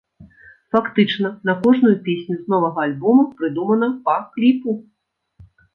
Фактычна на кожную песню з новага альбома прыдумана па кліпу.